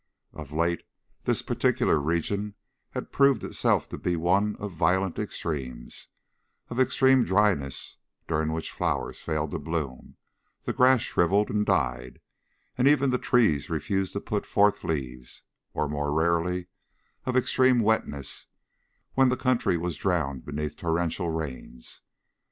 Of late this particular region had proven itself to be one of violent extremes, of extreme dryness during which flowers failed to bloom, the grass shriveled and died, and even the trees refused to put forth leaves; or, more rarely, of extreme wetness, when the country was drowned beneath torrential rains.